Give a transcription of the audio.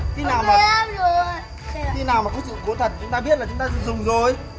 cầm xuôi cầm xuôi cầm xuôi